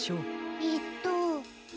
えっと。